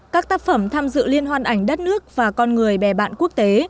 các tác phẩm tham dự liên hoan ảnh đất nước và con người bè bạn quốc tế